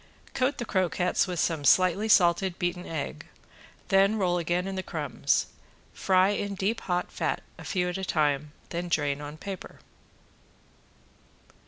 Coat the croquettes with some slightly salted beaten egg. Then roll again in the crumbs. Fry in deep hot fat, a few at a time, then drain on paper.